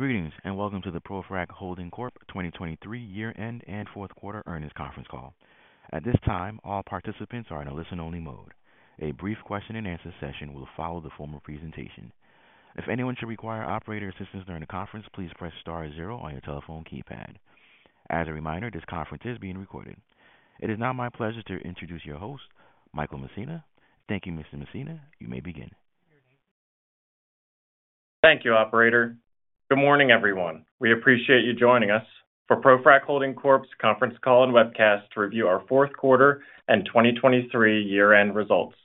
Greetings, and welcome to the ProFrac Holding Corp 2023 year-end and fourth quarter earnings conference call. At this time, all participants are in a listen-only mode. A brief question-and-answer session will follow the formal presentation. If anyone should require operator assistance during the conference, please press star zero on your telephone keypad. As a reminder, this conference is being recorded. It is now my pleasure to introduce your host, Michael Messina. Thank you, Mr. Messina. You may begin. Thank you, operator. Good morning, everyone. We appreciate you joining us for ProFrac Holding Corp's conference call and webcast to review our fourth quarter and 2023 year-end results.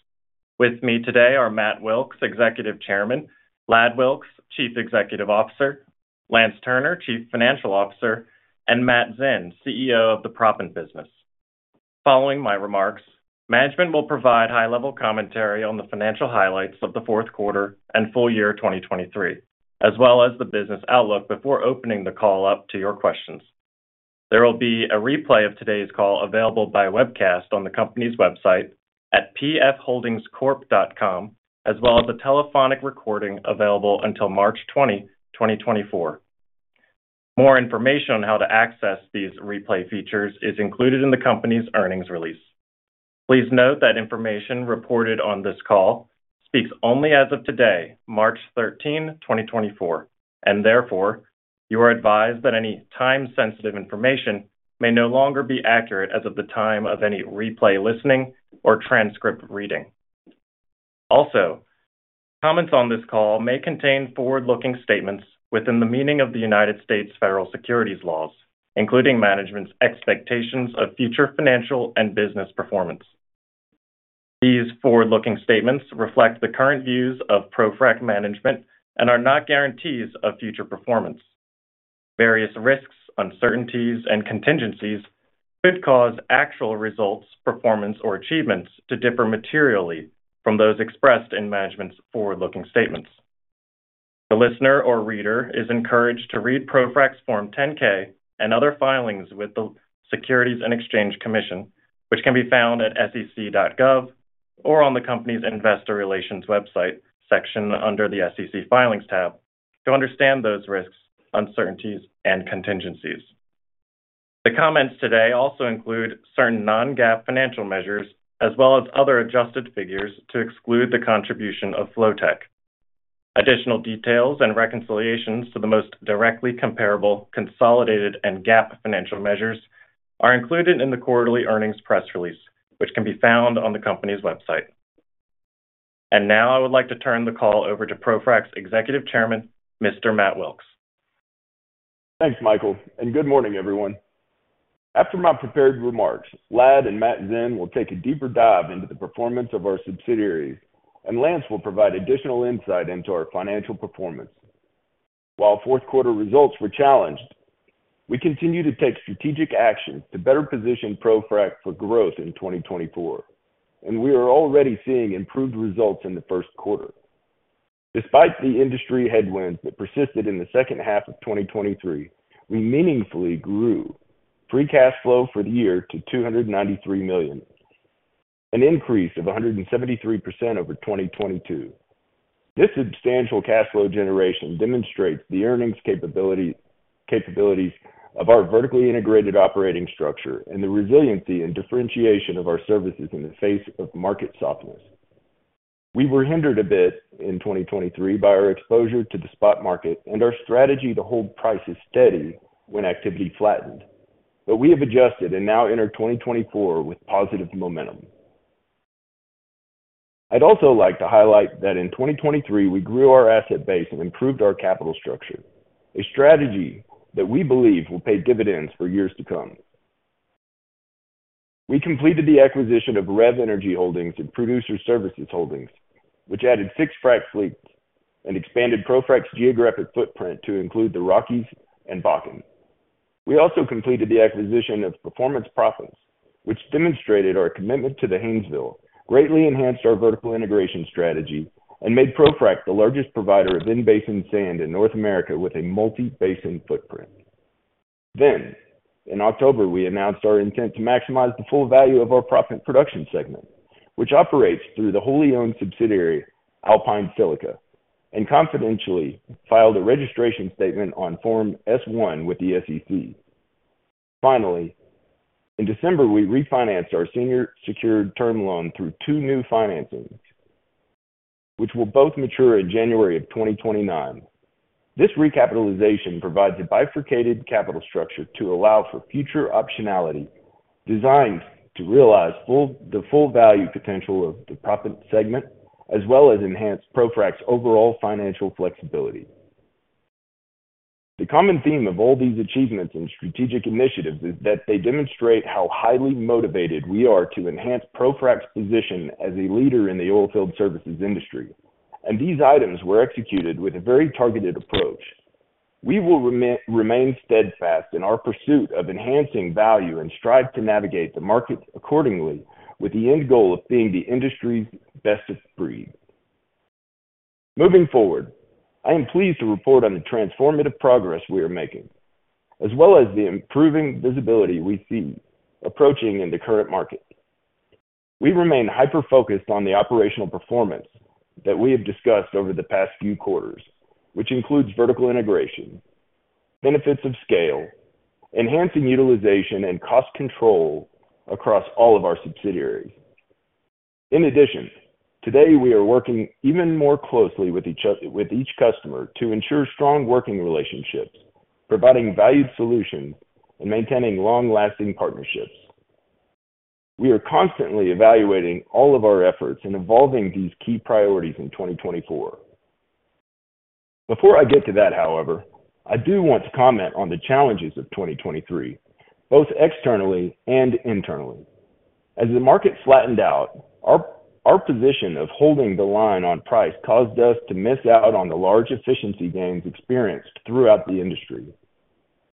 With me today are Matt Wilks, Executive Chairman, Ladd Wilks, Chief Executive Officer, Lance Turner, Chief Financial Officer, and Matt Zinn, CEO of the Proppant business. Following my remarks, management will provide high-level commentary on the financial highlights of the fourth quarter and full year 2023, as well as the business outlook before opening the call up to your questions. There will be a replay of today's call available by webcast on the company's website at pfholdingscorp.com, as well as a telephonic recording available until March 20, 2024. More information on how to access these replay features is included in the company's earnings release. Please note that information reported on this call speaks only as of today, March 13, 2024, and therefore, you are advised that any time-sensitive information may no longer be accurate as of the time of any replay listening or transcript reading. Also, comments on this call may contain forward-looking statements within the meaning of the United States federal securities laws, including management's expectations of future financial and business performance. These forward-looking statements reflect the current views of ProFrac management and are not guarantees of future performance. Various risks, uncertainties, and contingencies could cause actual results, performance, or achievements to differ materially from those expressed in management's forward-looking statements. The listener or reader is encouraged to read ProFrac's Form 10-K and other filings with the Securities and Exchange Commission, which can be found at sec.gov or on the company's investor relations website section under the SEC Filings tab, to understand those risks, uncertainties, and contingencies. The comments today also include certain non-GAAP financial measures, as well as other adjusted figures, to exclude the contribution of Flotek. Additional details and reconciliations to the most directly comparable, consolidated and GAAP financial measures are included in the quarterly earnings press release, which can be found on the company's website. Now I would like to turn the call over to ProFrac's Executive Chairman, Mr. Matt Wilks. Thanks, Michael, and good morning, everyone. After my prepared remarks, Ladd and Matt Zinn will take a deeper dive into the performance of our subsidiaries, and Lance will provide additional insight into our financial performance. While fourth quarter results were challenged, we continue to take strategic actions to better position ProFrac for growth in 2024, and we are already seeing improved results in the first quarter. Despite the industry headwinds that persisted in the second half of 2023, we meaningfully grew free cash flow for the year to $293 million, an increase of 173% over 2022. This substantial cash flow generation demonstrates the earnings capability, capabilities of our vertically integrated operating structure and the resiliency and differentiation of our services in the face of market softness. We were hindered a bit in 2023 by our exposure to the spot market and our strategy to hold prices steady when activity flattened, but we have adjusted and now enter 2024 with positive momentum. I'd also like to highlight that in 2023, we grew our asset base and improved our capital structure, a strategy that we believe will pay dividends for years to come. We completed the acquisition of REV Energy Holdings and Producer Services Holdings, which added 6 frac fleets and expanded ProFrac's geographic footprint to include the Rockies and Bakken. We also completed the acquisition of Performance Proppants, which demonstrated our commitment to the Haynesville, greatly enhanced our vertical integration strategy, and made ProFrac the largest provider of in-basin sand in North America with a multi-basin footprint. Then, in October, we announced our intent to maximize the full value of our proppant production segment, which operates through the wholly owned subsidiary, Alpine Silica, and confidentially filed a registration statement on Form S-1 with the SEC. Finally, in December, we refinanced our senior secured term loan through two new financings, which will both mature in January of 2029. This recapitalization provides a bifurcated capital structure to allow for future optionality, designed to realize the full value potential of the proppant segment, as well as enhance ProFrac's overall financial flexibility. The common theme of all these achievements and strategic initiatives is that they demonstrate how highly motivated we are to enhance ProFrac's position as a leader in the oilfield services industry, and these items were executed with a very targeted approach. We will remain steadfast in our pursuit of enhancing value and strive to navigate the markets accordingly, with the end goal of being the industry's best in breed. Moving forward, I am pleased to report on the transformative progress we are making, as well as the improving visibility we see approaching in the current market. We remain hyper focused on the operational performance that we have discussed over the past few quarters, which includes vertical integration, benefits of scale, enhancing utilization and cost control across all of our subsidiaries. In addition, today, we are working even more closely with each customer to ensure strong working relationships, providing valued solutions, and maintaining long-lasting partnerships. We are constantly evaluating all of our efforts and evolving these key priorities in 2024. Before I get to that, however, I do want to comment on the challenges of 2023, both externally and internally. As the market flattened out, our position of holding the line on price caused us to miss out on the large efficiency gains experienced throughout the industry.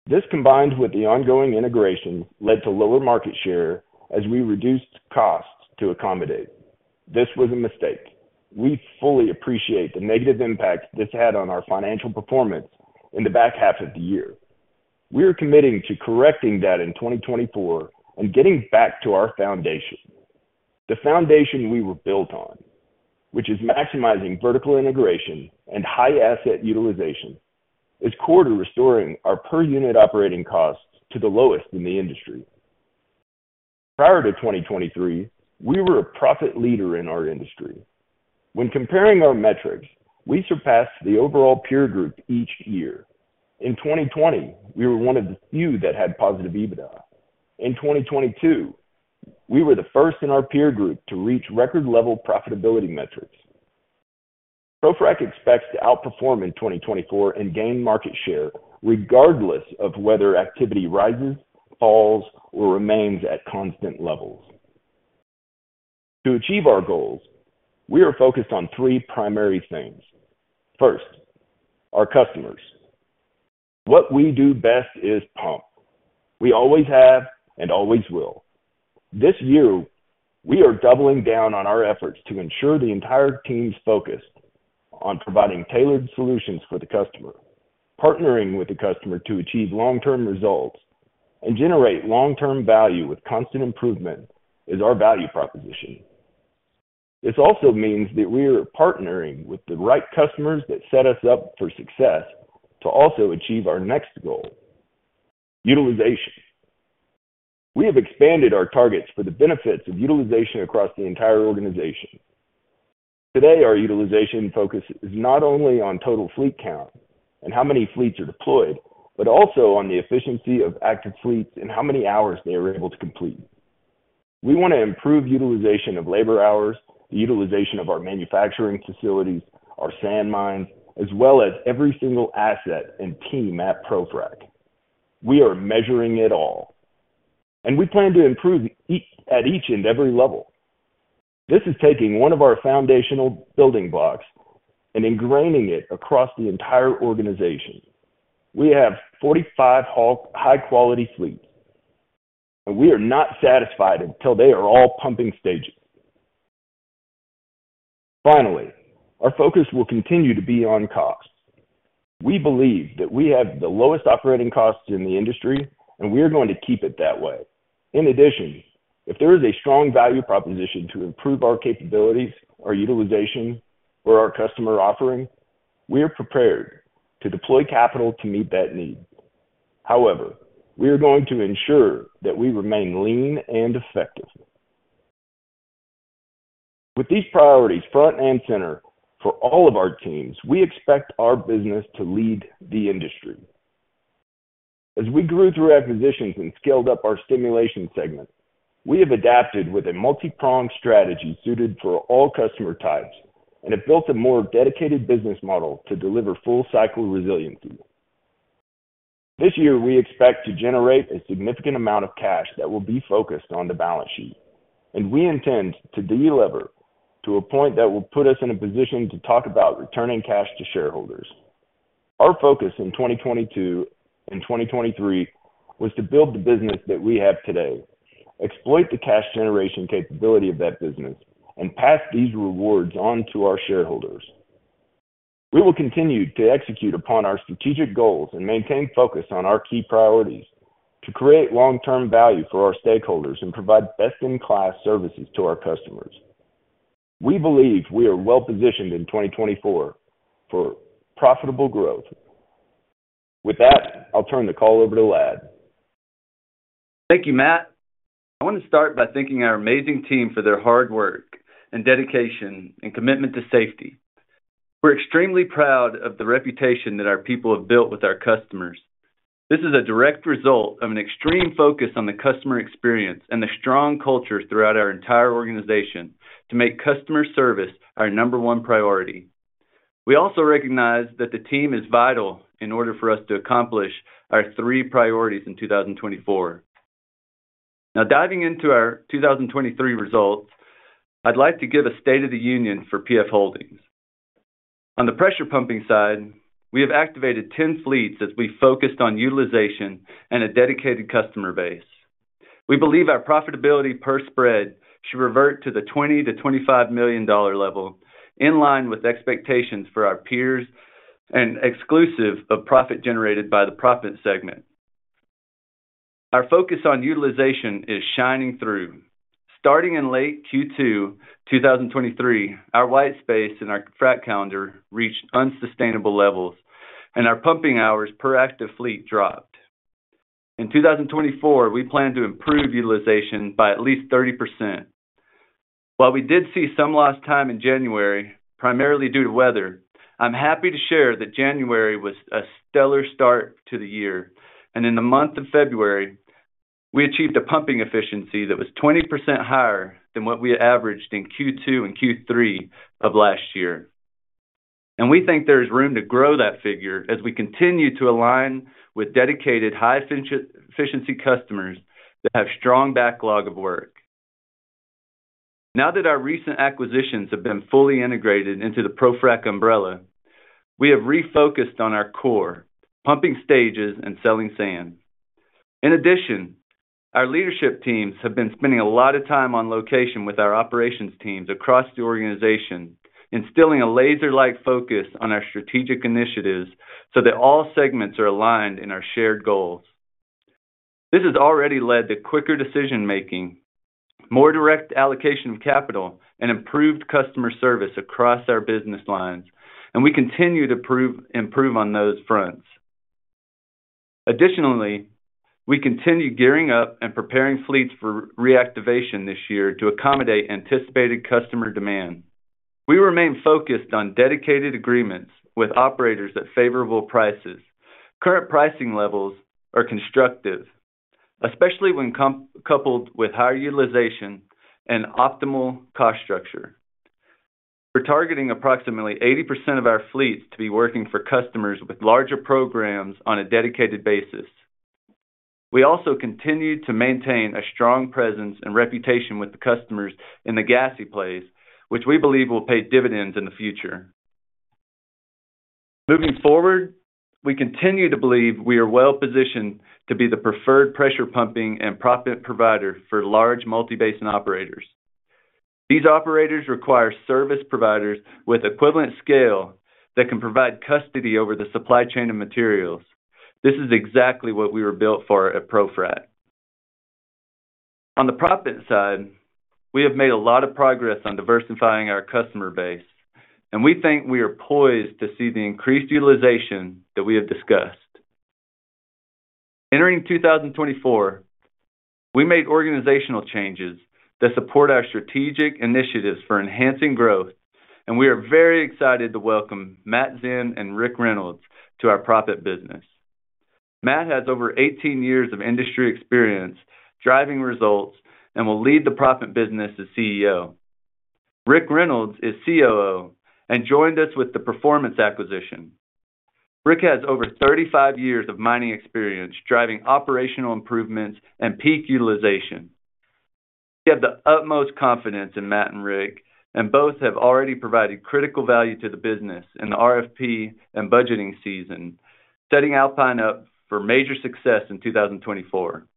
This, combined with the ongoing integration, led to lower market share as we reduced costs to accommodate. This was a mistake. We fully appreciate the negative impact this had on our financial performance in the back half of the year. We are committing to correcting that in 2024 and getting back to our foundation. The foundation we were built on, which is maximizing vertical integration and high asset utilization, is core to restoring our per unit operating costs to the lowest in the industry. Prior to 2023, we were a profit leader in our industry. When comparing our metrics, we surpassed the overall peer group each year. In 2020, we were one of the few that had positive EBITDA. In 2022, we were the first in our peer group to reach record level profitability metrics. ProFrac expects to outperform in 2024 and gain market share, regardless of whether activity rises, falls, or remains at constant levels. To achieve our goals, we are focused on three primary things. First, our customers. What we do best is pump. We always have and always will. This year, we are doubling down on our efforts to ensure the entire team's focused on providing tailored solutions for the customer. Partnering with the customer to achieve long-term results and generate long-term value with constant improvement is our value proposition. This also means that we are partnering with the right customers that set us up for success to also achieve our next goal: utilization. We have expanded our targets for the benefits of utilization across the entire organization. Today, our utilization focus is not only on total fleet count and how many fleets are deployed, but also on the efficiency of active fleets and how many hours they are able to complete. We want to improve utilization of labor hours, utilization of our manufacturing facilities, our sand mines, as well as every single asset and team at ProFrac. We are measuring it all, and we plan to improve at each and every level. This is taking one of our foundational building blocks and ingraining it across the entire organization. We have 45 high-quality fleets, and we are not satisfied until they are all pumping stages. Finally, our focus will continue to be on cost. We believe that we have the lowest operating costs in the industry, and we are going to keep it that way. In addition, if there is a strong value proposition to improve our capabilities, our utilization, or our customer offering, we are prepared to deploy capital to meet that need. However, we are going to ensure that we remain lean and effective. With these priorities front and center for all of our teams, we expect our business to lead the industry. As we grew through acquisitions and scaled up our stimulation segment, we have adapted with a multipronged strategy suited for all customer types and have built a more dedicated business model to deliver full cycle resiliency. This year, we expect to generate a significant amount of cash that will be focused on the balance sheet, and we intend to delever to a point that will put us in a position to talk about returning cash to shareholders. Our focus in 2022 and 2023 was to build the business that we have today, exploit the cash generation capability of that business, and pass these rewards on to our shareholders. We will continue to execute upon our strategic goals and maintain focus on our key priorities to create long-term value for our stakeholders and provide best-in-class services to our customers. We believe we are well positioned in 2024 for profitable growth. With that, I'll turn the call over to Ladd. Thank you, Matt. I want to start by thanking our amazing team for their hard work and dedication and commitment to safety. We're extremely proud of the reputation that our people have built with our customers. This is a direct result of an extreme focus on the customer experience and the strong culture throughout our entire organization to make customer service our number one priority. We also recognize that the team is vital in order for us to accomplish our three priorities in 2024. Now, diving into our 2023 results, I'd like to give a state of the union for PF Holdings. On the pressure pumping side, we have activated 10 fleets as we focused on utilization and a dedicated customer base. We believe our profitability per spread should revert to the $20 million-$25 million level, in line with expectations for our peers and exclusive of profit generated by the proppant segment. Our focus on utilization is shining through. Starting in late Q2 2023, our white space in our frac calendar reached unsustainable levels, and our pumping hours per active fleet dropped. In 2024, we plan to improve utilization by at least 30%. While we did see some lost time in January, primarily due to weather, I'm happy to share that January was a stellar start to the year, and in the month of February, we achieved a pumping efficiency that was 20% higher than what we averaged in Q2 and Q3 of last year. We think there is room to grow that figure as we continue to align with dedicated, high efficiency customers that have strong backlog of work. Now that our recent acquisitions have been fully integrated into the ProFrac umbrella, we have refocused on our core, pumping stages and selling sand. In addition, our leadership teams have been spending a lot of time on location with our operations teams across the organization, instilling a laser-like focus on our strategic initiatives so that all segments are aligned in our shared goals. This has already led to quicker decision-making, more direct allocation of capital, and improved customer service across our business lines, and we continue to improve on those fronts. Additionally, we continue gearing up and preparing fleets for reactivation this year to accommodate anticipated customer demand. We remain focused on dedicated agreements with operators at favorable prices. Current pricing levels are constructive, especially when coupled with higher utilization and optimal cost structure. We're targeting approximately 80% of our fleets to be working for customers with larger programs on a dedicated basis. We also continue to maintain a strong presence and reputation with the customers in the gassy plays, which we believe will pay dividends in the future. Moving forward, we continue to believe we are well-positioned to be the preferred pressure pumping and proppant provider for large multi-basin operators. These operators require service providers with equivalent scale that can provide custody over the supply chain of materials. This is exactly what we were built for at ProFrac. On the proppant side, we have made a lot of progress on diversifying our customer base, and we think we are poised to see the increased utilization that we have discussed. Entering 2024, we made organizational changes that support our strategic initiatives for enhancing growth, and we are very excited to welcome Matt Zinn and Rick Reynolds to our proppant business. Matt has over 18 years of industry experience driving results and will lead the proppant business as CEO. Rick Reynolds is COO and joined us with the Performance acquisition. Rick has over 35 years of mining experience, driving operational improvements and peak utilization. We have the utmost confidence in Matt and Rick, and both have already provided critical value to the business in the RFP and budgeting season, setting Alpine up for major success in 2024.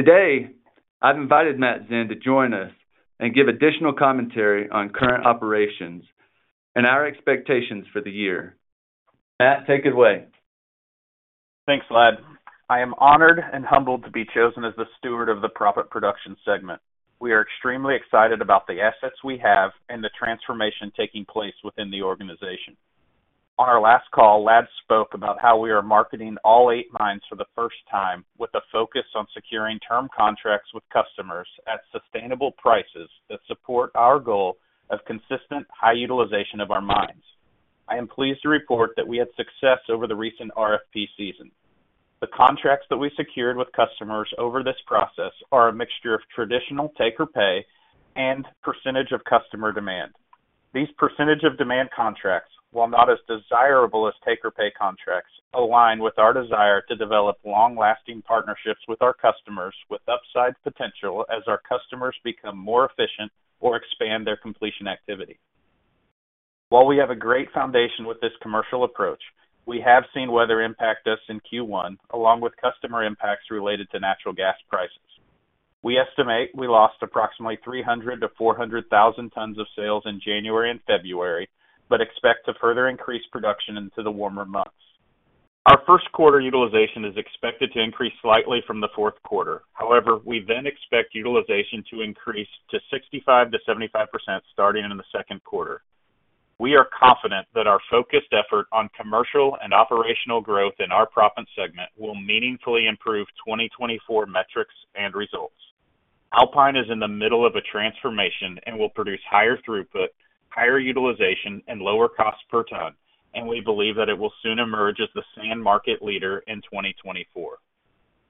Today, I've invited Matt Zinn to join us and give additional commentary on current operations and our expectations for the year. Matt, take it away. Thanks, Ladd. I am honored and humbled to be chosen as the steward of the proppant production segment. We are extremely excited about the assets we have and the transformation taking place within the organization. On our last call, Ladd spoke about how we are marketing all eight mines for the first time, with a focus on securing term contracts with customers at sustainable prices that support our goal of consistent high utilization of our mines. I am pleased to report that we had success over the recent RFP season. The contracts that we secured with customers over this process are a mixture of traditional take-or-pay and percentage of customer demand. These percentage-of-demand contracts, while not as desirable as take-or-pay contracts, align with our desire to develop long-lasting partnerships with our customers, with upside potential as our customers become more efficient or expand their completion activity. While we have a great foundation with this commercial approach, we have seen weather impact us in Q1, along with customer impacts related to natural gas prices. We estimate we lost approximately 300-400,000 tons of sales in January and February, but expect to further increase production into the warmer months. Our first quarter utilization is expected to increase slightly from the fourth quarter. However, we then expect utilization to increase to 65%-75% starting in the second quarter. We are confident that our focused effort on commercial and operational growth in our proppant segment will meaningfully improve 2024 metrics and results. Alpine is in the middle of a transformation and will produce higher throughput, higher utilization, and lower cost per ton, and we believe that it will soon emerge as the sand market leader in 2024.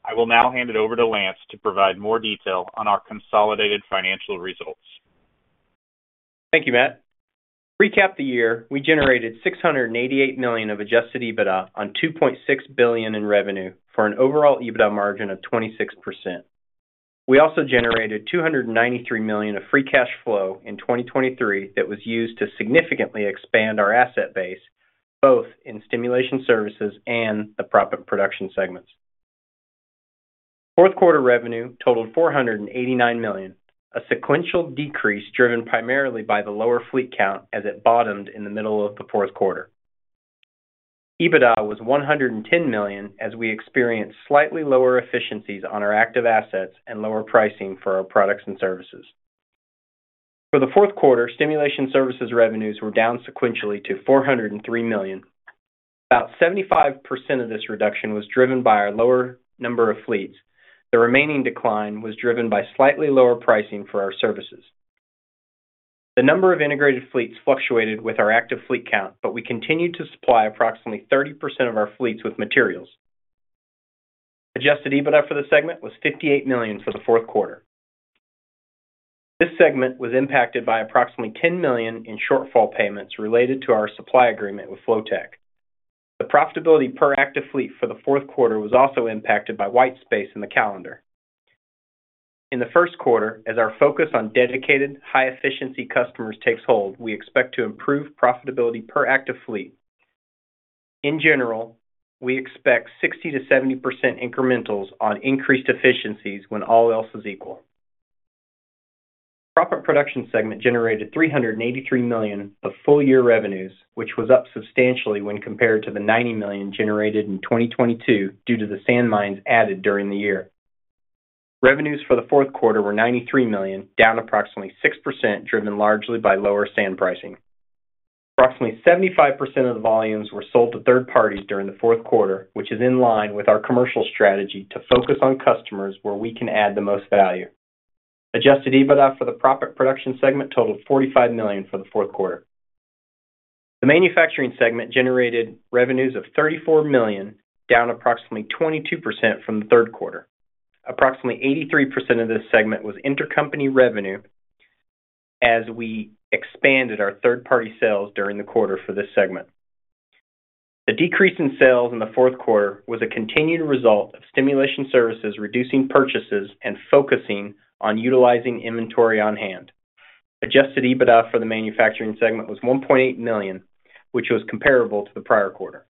I will now hand it over to Lance to provide more detail on our consolidated financial results. Thank you, Matt. To recap the year, we generated $688 million of Adjusted EBITDA on $2.6 billion in revenue, for an overall EBITDA margin of 26%. We also generated $293 million of Free Cash Flow in 2023 that was used to significantly expand our asset base, both in Stimulation services and the proppant production segments. ...Fourth quarter revenue totaled $489 million, a sequential decrease driven primarily by the lower fleet count as it bottomed in the middle of the fourth quarter. EBITDA was $110 million, as we experienced slightly lower efficiencies on our active assets and lower pricing for our products and services. For the fourth quarter, stimulation services revenues were down sequentially to $403 million. About 75% of this reduction was driven by our lower number of fleets. The remaining decline was driven by slightly lower pricing for our services. The number of integrated fleets fluctuated with our active fleet count, but we continued to supply approximately 30% of our fleets with materials. Adjusted EBITDA for the segment was $58 million for the fourth quarter. This segment was impacted by approximately $10 million in shortfall payments related to our supply agreement with Flotek. The profitability per active fleet for the fourth quarter was also impacted by whitespace in the calendar. In the first quarter, as our focus on dedicated, high-efficiency customers takes hold, we expect to improve profitability per active fleet. In general, we expect 60%-70% incrementals on increased efficiencies when all else is equal. Proppant production segment generated $383 million of full-year revenues, which was up substantially when compared to the $90 million generated in 2022 due to the sand mines added during the year. Revenues for the fourth quarter were $93 million, down approximately 6%, driven largely by lower sand pricing. Approximately 75% of the volumes were sold to third parties during the fourth quarter, which is in line with our commercial strategy to focus on customers where we can add the most value. Adjusted EBITDA for the proppant production segment totaled $45 million for the fourth quarter. The manufacturing segment generated revenues of $34 million, down approximately 22% from the third quarter. Approximately 83% of this segment was intercompany revenue as we expanded our third-party sales during the quarter for this segment. The decrease in sales in the fourth quarter was a continued result of stimulation services, reducing purchases, and focusing on utilizing inventory on hand. Adjusted EBITDA for the manufacturing segment was $1.8 million, which was comparable to the prior quarter.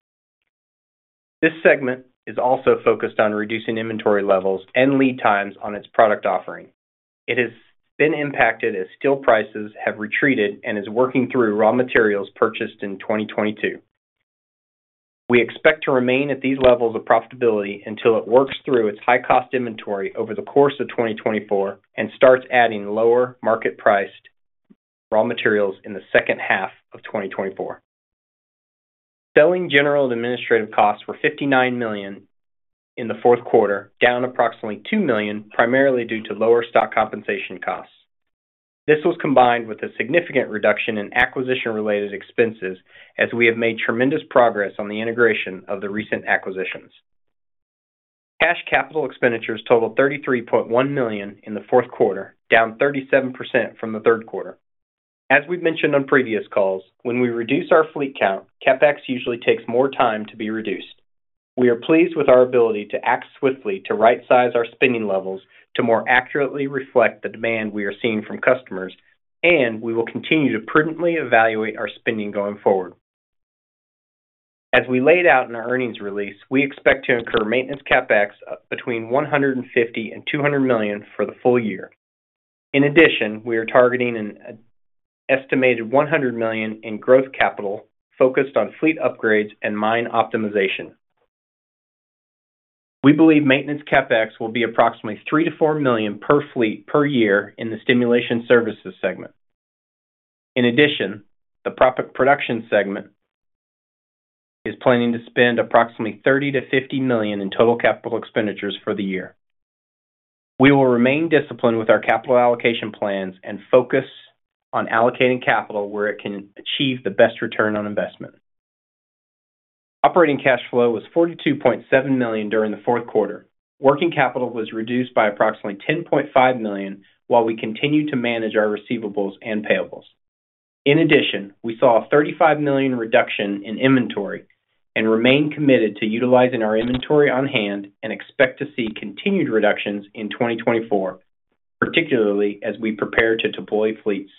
This segment is also focused on reducing inventory levels and lead times on its product offering. It has been impacted as steel prices have retreated and is working through raw materials purchased in 2022. We expect to remain at these levels of profitability until it works through its high-cost inventory over the course of 2024 and starts adding lower market-priced raw materials in the second half of 2024. Selling general and administrative costs were $59 million in the fourth quarter, down approximately $2 million, primarily due to lower stock compensation costs. This was combined with a significant reduction in acquisition-related expenses, as we have made tremendous progress on the integration of the recent acquisitions. Cash capital expenditures totaled $33.1 million in the fourth quarter, down 37% from the third quarter. As we've mentioned on previous calls, when we reduce our fleet count, CapEx usually takes more time to be reduced. We are pleased with our ability to act swiftly to right-size our spending levels to more accurately reflect the demand we are seeing from customers, and we will continue to prudently evaluate our spending going forward. As we laid out in our earnings release, we expect to incur maintenance CapEx between $150 million and $200 million for the full year. In addition, we are targeting an estimated $100 million in growth capital focused on fleet upgrades and mine optimization. We believe maintenance CapEx will be approximately $3 million-$4 million per fleet per year in the stimulation services segment. In addition, the proppant production segment is planning to spend approximately $30 million-$50 million in total capital expenditures for the year. We will remain disciplined with our capital allocation plans and focus on allocating capital where it can achieve the best return on investment. Operating cash flow was $42.7 million during the fourth quarter. Working capital was reduced by approximately $10.5 million, while we continued to manage our receivables and payables. In addition, we saw a $35 million reduction in inventory and remain committed to utilizing our inventory on hand and expect to see continued reductions in 2024, particularly as we prepare to deploy fleets.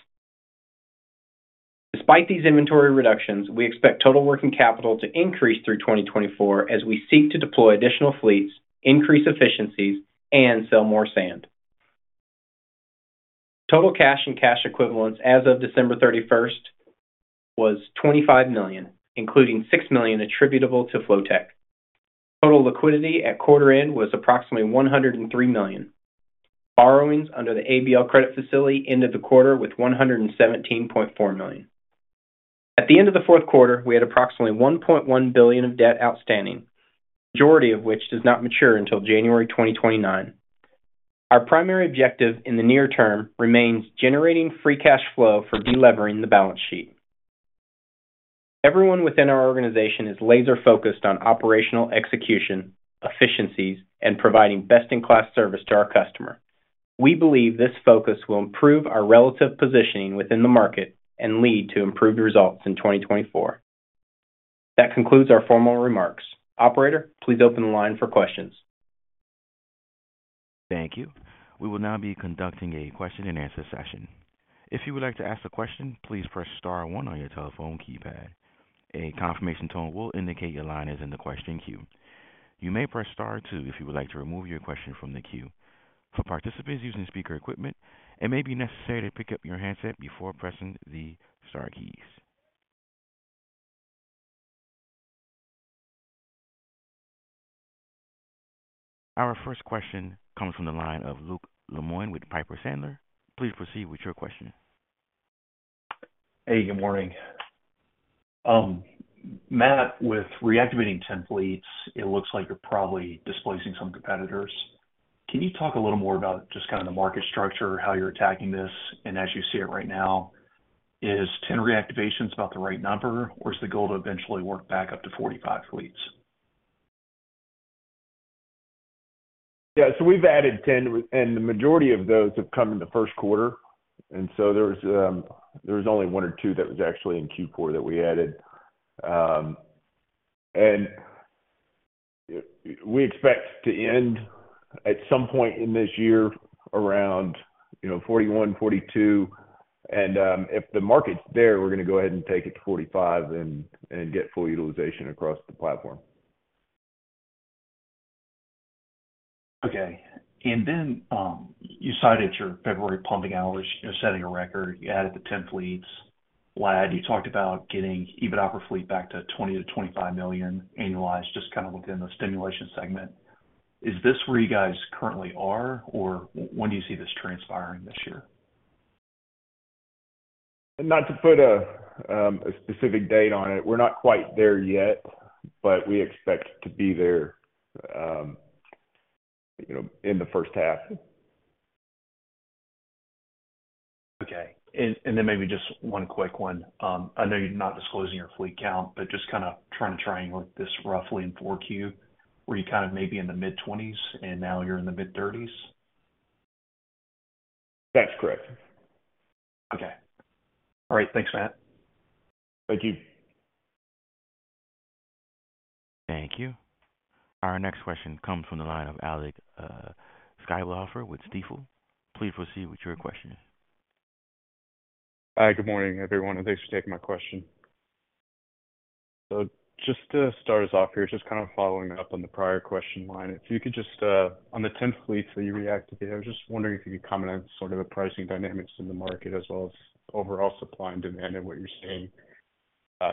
Despite these inventory reductions, we expect total working capital to increase through 2024 as we seek to deploy additional fleets, increase efficiencies, and sell more sand. Total cash and cash equivalents as of December 31 was $25 million, including $6 million attributable to Flotek. Total liquidity at quarter end was approximately $103 million. Borrowings under the ABL credit facility ended the quarter with $117.4 million. At the end of the fourth quarter, we had approximately $1.1 billion of debt outstanding, majority of which does not mature until January 2029. Our primary objective in the near term remains generating free cash flow for de-levering the balance sheet. Everyone within our organization is laser-focused on operational execution, efficiencies, and providing best-in-class service to our customer. We believe this focus will improve our relative positioning within the market and lead to improved results in 2024. That concludes our formal remarks. Operator, please open the line for questions. Thank you. We will now be conducting a question-and-answer session. If you would like to ask a question, please press star one on your telephone keypad.... A confirmation tone will indicate your line is in the question queue. You may press star two if you would like to remove your question from the queue. For participants using speaker equipment, it may be necessary to pick up your handset before pressing the star keys. Our first question comes from the line of Luke Lemoine with Piper Sandler. Please proceed with your question. Hey, good morning. Matt, with reactivating 10 fleets, it looks like you're probably displacing some competitors. Can you talk a little more about just kind of the market structure, how you're attacking this? And as you see it right now, is 10 reactivations about the right number, or is the goal to eventually work back up to 45 fleets? Yeah. So we've added 10, and the majority of those have come in the first quarter, and so there was only one or two that was actually in Q4 that we added. And we expect to end at some point in this year around, you know, 41, 42. And, if the market's there, we're going to go ahead and take it to 45 and get full utilization across the platform. Okay. And then, you cited your February pumping hours. You're setting a record. You added the 10 fleets. Ladd, you talked about getting EBITDA per fleet back to $20 million-$25 million annualized, just kind of within the stimulation segment. Is this where you guys currently are, or when do you see this transpiring this year? Not to put a specific date on it. We're not quite there yet, but we expect to be there, you know, in the first half. Okay. And then maybe just one quick one. I know you're not disclosing your fleet count, but just kind of trying to triangle this roughly in Q4, where you kind of may be in the mid-20s and now you're in the mid-30s? That's correct. Okay. All right. Thanks, Matt. Thank you. Thank you. Our next question comes from the line of Alec Scheibelhoffer with Stifel. Please proceed with your question. Hi, good morning, everyone, and thanks for taking my question. So just to start us off here, just kind of following up on the prior question line. If you could just on the tenth fleet that you reactivated, I was just wondering if you could comment on sort of the pricing dynamics in the market as well as overall supply and demand and what you're seeing,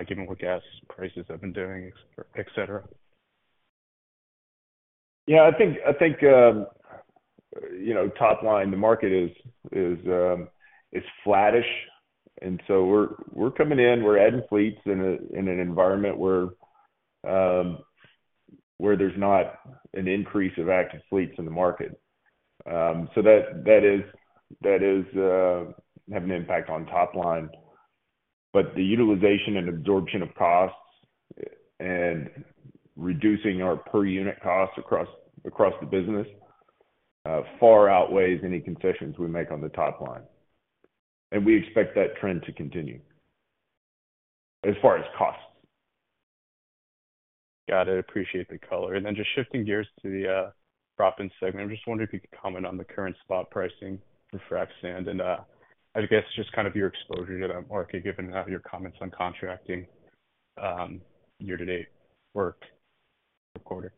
given what gas prices have been doing, etc. Yeah, I think, you know, top line, the market is flattish, and so we're coming in, we're adding fleets in an environment where there's not an increase of active fleets in the market. So that is have an impact on top line. But the utilization and absorption of costs and reducing our per unit costs across the business far outweighs any concessions we make on the top line. And we expect that trend to continue as far as costs. Got it. Appreciate the color. And then just shifting gears to the proppant segment. I'm just wondering if you could comment on the current spot pricing for frac sand and I guess just kind of your exposure to the market, given your comments on contracting year to date for the quarter.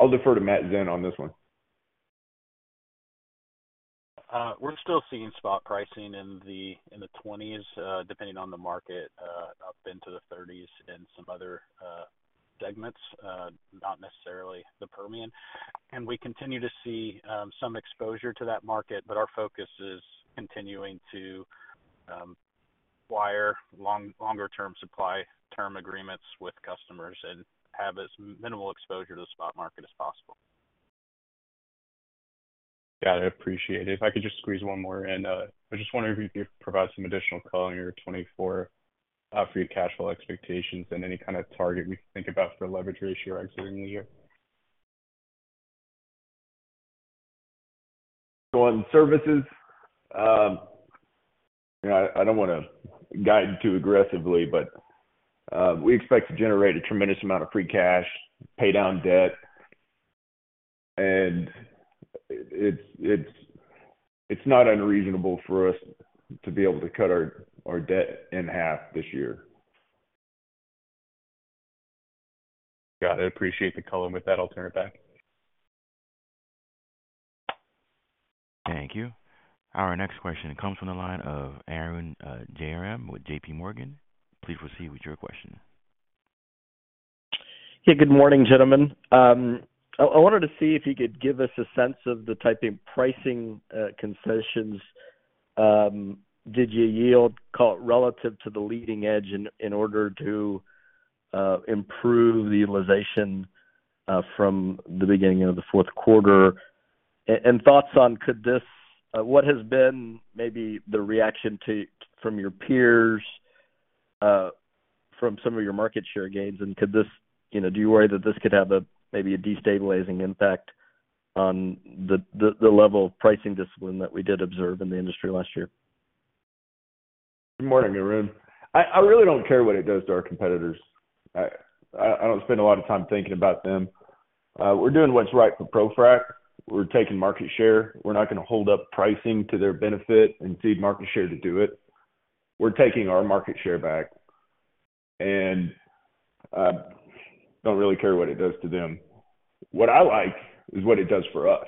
I'll defer to Matt Zinn on this one. We're still seeing spot pricing in the $20s, depending on the market, up into the $30s in some other segments, not necessarily the Permian. And we continue to see some exposure to that market, but our focus is continuing to wire longer-term supply-term agreements with customers and have as minimal exposure to the spot market as possible. Got it. Appreciate it. If I could just squeeze one more in. I just wondering if you could provide some additional color on your 2024 free cash flow expectations and any kind of target we think about for leverage ratio exiting the year. So on services, you know, I don't want to guide too aggressively, but we expect to generate a tremendous amount of free cash, pay down debt, and it's not unreasonable for us to be able to cut our debt in half this year. Got it. Appreciate the color. With that, I'll turn it back. Thank you. Our next question comes from the line of Arun Jayaram with JPMorgan. Please proceed with your question. Hey, good morning, gentlemen. I wanted to see if you could give us a sense of the type of pricing concessions did you yield call it relative to the leading edge in order to improve the utilization from the beginning of the fourth quarter? And thoughts on could this what has been maybe the reaction to from your peers from some of your market share gains? And could this, you know, do you worry that this could have a maybe a destabilizing impact on the level of pricing discipline that we did observe in the industry last year?... Good morning, everyone. I really don't care what it does to our competitors. I don't spend a lot of time thinking about them. We're doing what's right for ProFrac. We're taking market share. We're not gonna hold up pricing to their benefit and cede market share to do it. We're taking our market share back, and don't really care what it does to them. What I like is what it does for us.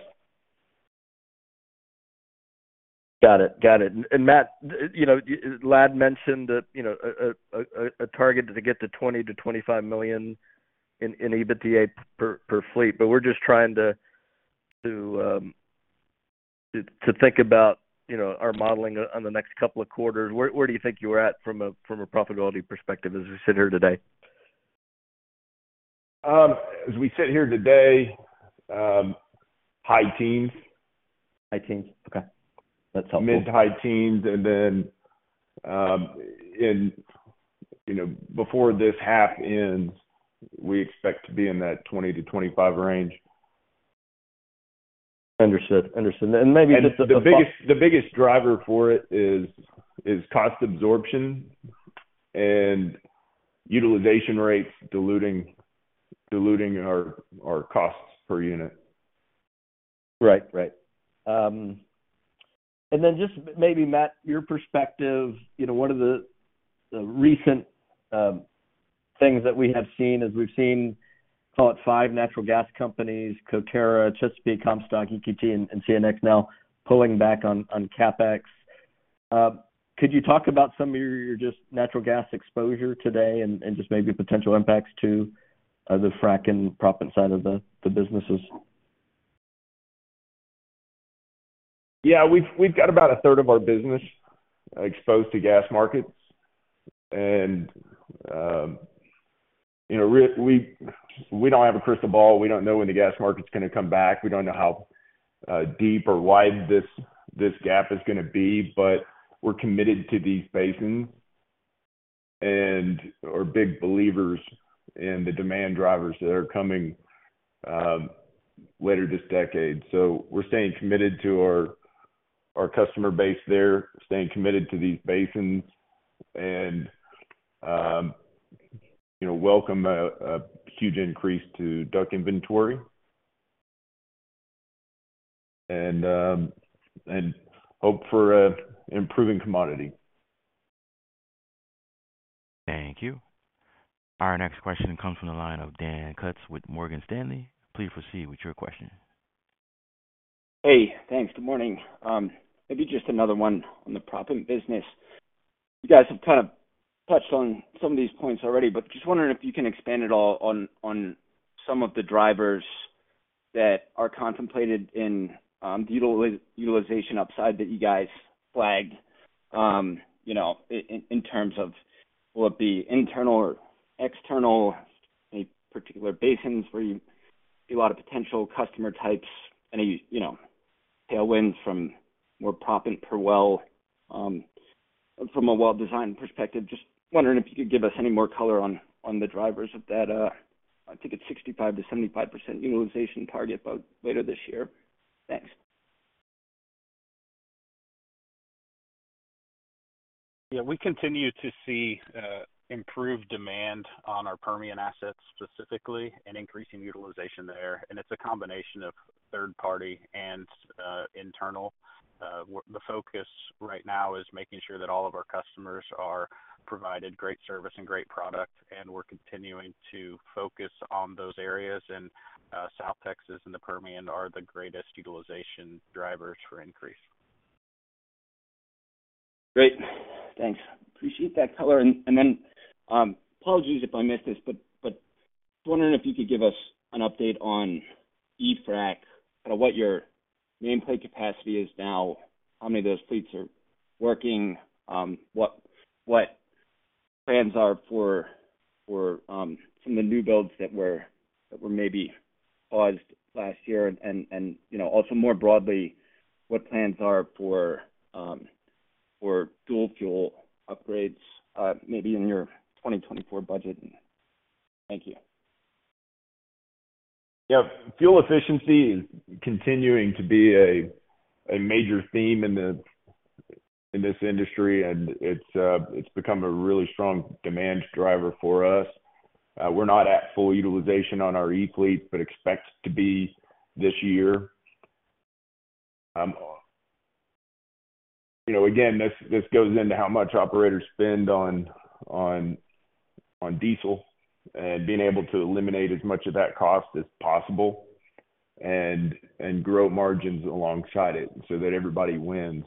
Got it. Got it. And, Matt, you know, Ladd mentioned that, you know, a target to get to $20 million-$25 million in EBITDA per fleet, but we're just trying to think about, you know, our modeling on the next couple of quarters. Where do you think you're at from a profitability perspective as we sit here today? As we sit here today, high teens. High teens. Okay, that's helpful. Mid-to-high teens, and then, you know, before this half ends, we expect to be in that 20-25 range. Understood, understood. Maybe just at the- The biggest driver for it is cost absorption and utilization rates diluting our costs per unit. Right. Right. And then just maybe, Matt, your perspective, you know, one of the recent things that we have seen is we've seen, call it five natural gas companies, Coterra, Chesapeake, Comstock, EQT, and CNX now pulling back on CapEx. Could you talk about some of your just natural gas exposure today and just maybe potential impacts to the frac and proppant side of the businesses? Yeah, we've got about a third of our business exposed to gas markets, and, you know, we don't have a crystal ball. We don't know when the gas market's gonna come back. We don't know how deep or wide this gap is gonna be, but we're committed to these basins and are big believers in the demand drivers that are coming later this decade. So we're staying committed to our customer base there, staying committed to these basins and, you know, welcome a huge increase to DUC inventory. And hope for an improving commodity. Thank you. Our next question comes from the line of Dan Kutz with Morgan Stanley. Please proceed with your question. Hey, thanks. Good morning. Maybe just another one on the proppant business. You guys have kind of touched on some of these points already, but just wondering if you can expand at all on some of the drivers that are contemplated in the utilization upside that you guys flagged, you know, in terms of, will it be internal or external, any particular basins where you see a lot of potential customer types, any, you know, tailwinds from more proppant per well, from a well design perspective, just wondering if you could give us any more color on the drivers of that. I think it's 65%-75% utilization target by later this year. Thanks. Yeah, we continue to see improved demand on our Permian assets specifically, and increasing utilization there, and it's a combination of third party and internal. The focus right now is making sure that all of our customers are provided great service and great product, and we're continuing to focus on those areas, and South Texas and the Permian are the greatest utilization drivers for increase. Great. Thanks. Appreciate that color. And then, apologies if I missed this, but wondering if you could give us an update on E-fleet, kind of what your nameplate capacity is now, how many of those fleets are working, what plans are for some of the new builds that were maybe paused last year? And, you know, also more broadly, what plans are for dual fuel upgrades, maybe in your 2024 budget? Thank you. Yeah. Fuel efficiency is continuing to be a major theme in this industry, and it's become a really strong demand driver for us. We're not at full utilization on our E-fleet, but expect to be this year. You know, again, this goes into how much operators spend on diesel and being able to eliminate as much of that cost as possible and grow margins alongside it so that everybody wins.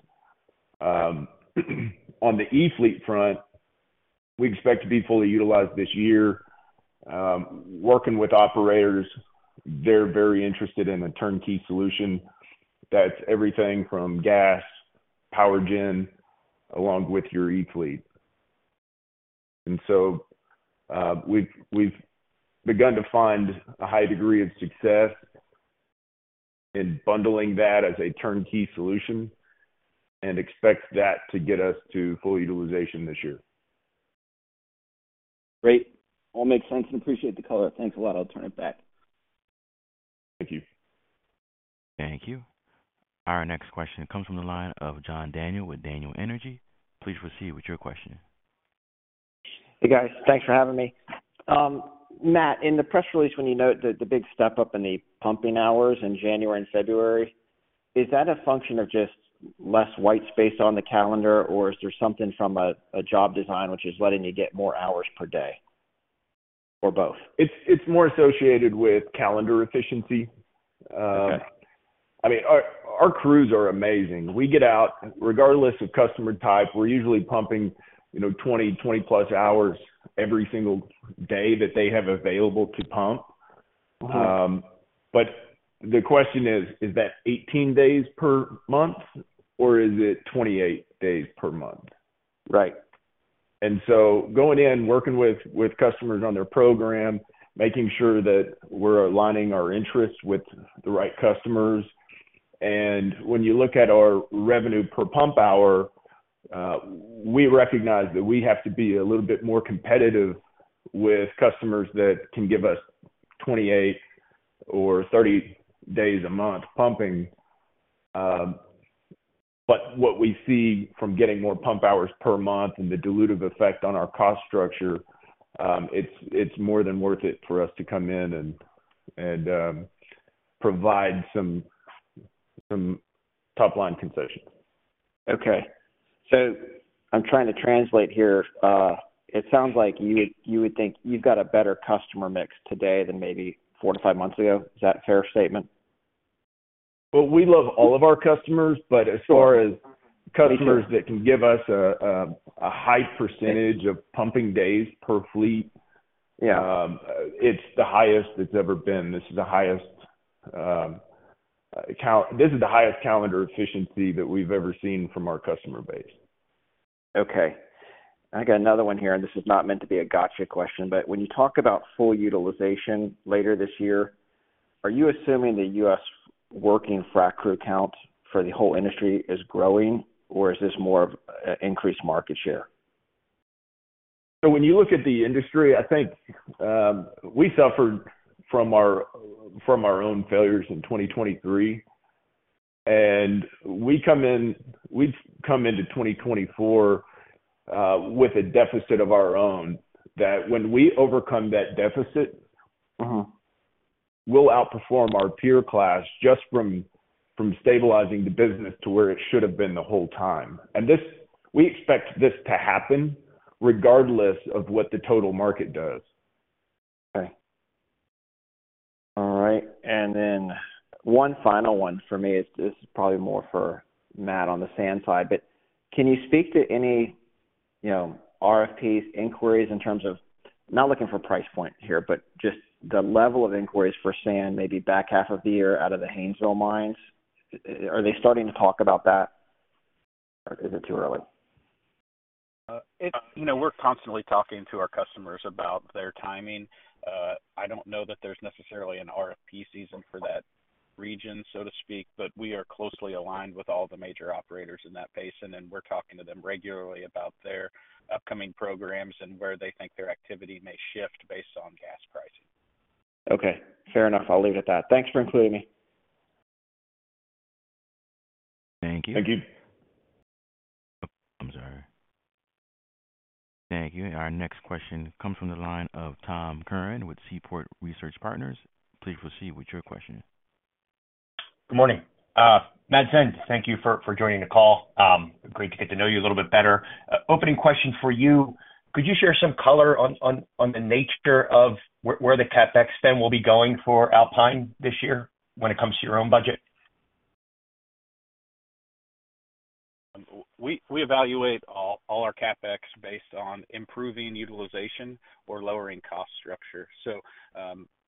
On the E-fleet front, we expect to be fully utilized this year. Working with operators, they're very interested in a turnkey solution. That's everything from gas, power gen, along with your E-fleet. And so, we've begun to find a high degree of success in bundling that as a turnkey solution and expect that to get us to full utilization this year.... Great. All makes sense and appreciate the color. Thanks a lot. I'll turn it back. Thank you. Thank you. Our next question comes from the line of John Daniel with Daniel Energy. Please proceed with your question. Hey, guys. Thanks for having me. Matt, in the press release, when you note the big step up in the pumping hours in January and February, is that a function of just less White Space on the calendar? Or is there something from a job design which is letting you get more hours per day, or both? It's, it's more associated with calendar efficiency. Okay. I mean, our crews are amazing. We get out, regardless of customer type, we're usually pumping, you know, 20, 20+ hours every single day that they have available to pump. Uh-huh. The question is, is that 18 days per month, or is it 28 days per month? Right. And so going in, working with customers on their program, making sure that we're aligning our interests with the right customers. And when you look at our revenue per pump hour, we recognize that we have to be a little bit more competitive with customers that can give us 28 or 30 days a month pumping. But what we see from getting more pump hours per month and the dilutive effect on our cost structure, it's more than worth it for us to come in and provide some top-line concessions. Okay. So I'm trying to translate here. It sounds like you would, you would think you've got a better customer mix today than maybe 4-5 months ago. Is that a fair statement? Well, we love all of our customers, but as far as- Sure. -customers that can give us a high percentage of pumping days per fleet- Yeah... it's the highest it's ever been. This is the highest calendar efficiency that we've ever seen from our customer base. Okay. I got another one here, and this is not meant to be a gotcha question, but when you talk about full utilization later this year, are you assuming the U.S. working frac crew count for the whole industry is growing, or is this more of increased market share? So when you look at the industry, I think we suffered from our own failures in 2023, and we've come into 2024 with a deficit of our own, that when we overcome that deficit- Uh-huh... we'll outperform our peer class just from stabilizing the business to where it should have been the whole time. This, we expect this to happen regardless of what the total market does. Okay. All right. And then one final one for me. It's, this is probably more for Matt on the sand side, but can you speak to any, you know, RFPs, inquiries in terms of, not looking for price point here, but just the level of inquiries for sand, maybe back half of the year out of the Haynesville mines? Are they starting to talk about that, or is it too early? It's, you know, we're constantly talking to our customers about their timing. I don't know that there's necessarily an RFP season for that region, so to speak, but we are closely aligned with all the major operators in that basin, and we're talking to them regularly about their upcoming programs and where they think their activity may shift based on gas pricing. Okay, fair enough. I'll leave it at that. Thanks for including me. Thank you. Thank you. I'm sorry. Thank you. Our next question comes from the line of Tom Curran with Seaport Research Partners. Please proceed with your question. Good morning. Matt Zinn, thank you for joining the call. Great to get to know you a little bit better. Opening question for you: Could you share some color on the nature of where the CapEx spend will be going for Alpine this year when it comes to your own budget? We evaluate all our CapEx based on improving utilization or lowering cost structure. So,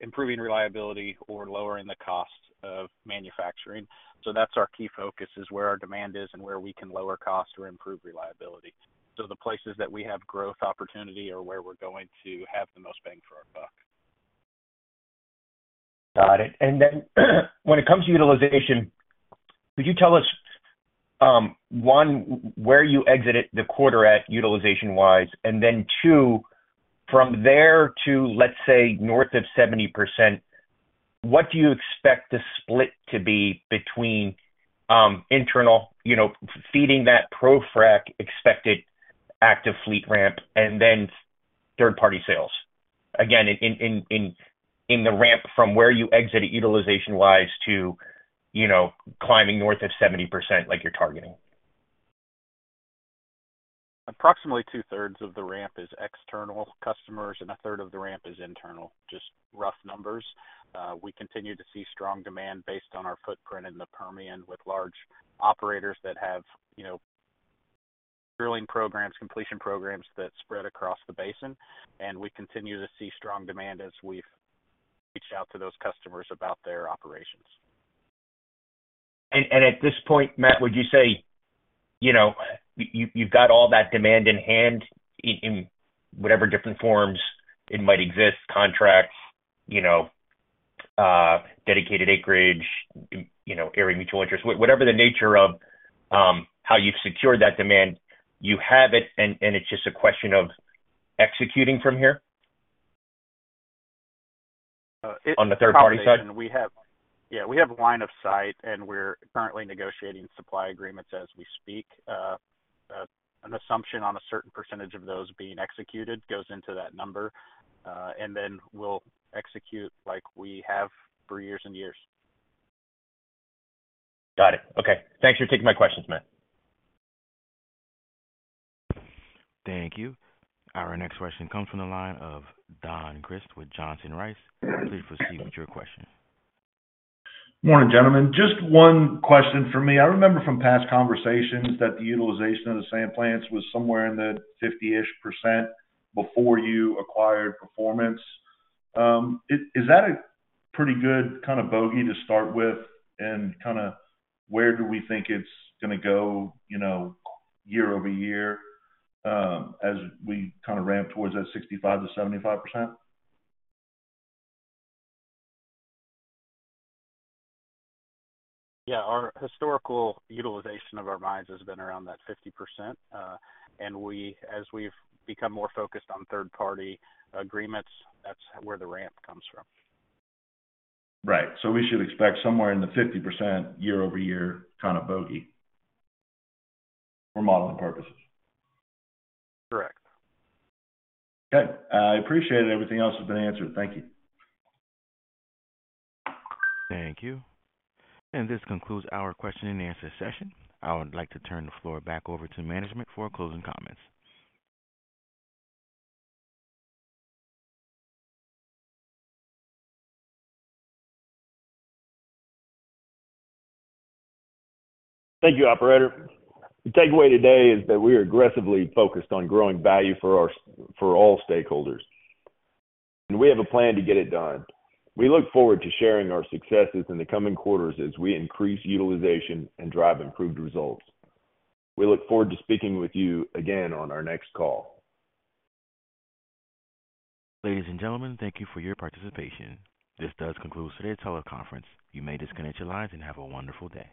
improving reliability or lowering the costs of manufacturing. So that's our key focus, is where our demand is and where we can lower costs or improve reliability. So the places that we have growth opportunity are where we're going to have the most bang for our buck. Got it. And then, when it comes to utilization, could you tell us, one, where you exited the quarter at, utilization-wise? And then, two, from there to, let's say, north of 70%, what do you expect the split to be between, internal, you know, feeding that ProFrac expected active fleet ramp and then third-party sales? Again, in the ramp from where you exit utilization-wise to, you know, climbing north of 70% like you're targeting. Approximately two-thirds of the ramp is external customers and a third of the ramp is internal. Just rough numbers. We continue to see strong demand based on our footprint in the Permian with large operators that have, you know, drilling programs, completion programs that spread across the basin, and we continue to see strong demand as we've reached out to those customers about their operations. At this point, Matt, would you say, you know, you, you've got all that demand in hand, in whatever different forms it might exist, contracts, you know? Dedicated acreage, you know, area mutual interest. Whatever the nature of how you've secured that demand, you have it, and it's just a question of executing from here? On the third party side. Yeah, we have line of sight, and we're currently negotiating supply agreements as we speak. An assumption on a certain percentage of those being executed goes into that number. And then we'll execute like we have for years and years. Got it. Okay. Thanks for taking my questions, Matt. Thank you. Our next question comes from the line of Don Crist with Johnson Rice. Please proceed with your question. Morning, gentlemen. Just one question for me. I remember from past conversations that the utilization of the sand plants was somewhere in the 50-ish% before you acquired Performance. Is that a pretty good kind of bogey to start with? And kind of where do we think it's gonna go, you know, year-over-year, as we kind of ramp towards that 65%-75%? Yeah. Our historical utilization of our mines has been around that 50%. And as we've become more focused on third-party agreements, that's where the ramp comes from. Right. So we should expect somewhere in the 50% year-over-year kind of bogey for modeling purposes? Correct. Okay. I appreciate it. Everything else has been answered. Thank you. Thank you. This concludes our question-and-answer session. I would like to turn the floor back over to management for closing comments. Thank you, operator. The takeaway today is that we are aggressively focused on growing value for all stakeholders, and we have a plan to get it done. We look forward to sharing our successes in the coming quarters as we increase utilization and drive improved results. We look forward to speaking with you again on our next call. Ladies and gentlemen, thank you for your participation. This does conclude today's teleconference. You may disconnect your lines, and have a wonderful day.